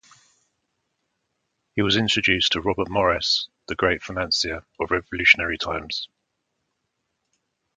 He was introduced to Robert Morris, the great financier of Revolutionary times.